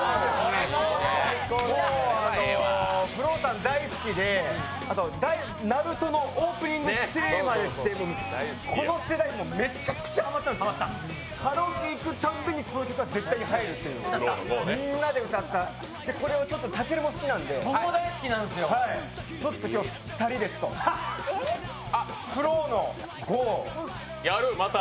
ＦＬＯＷさん大好きで、「ＮＡＲＵＴＯ」のオープニングテーマでしてこの世代では、めちゃくちゃハマったんですよ、カラオケ行くたびにこの曲は絶対に入るので、みんなで歌ったこれを、たけるも好きなんで、今日２人でＦＬＯＷの「ＧＯ！！！」。